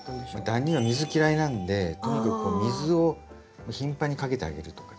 ダニは水嫌いなんでとにかくこう水を頻繁にかけてあげるとか。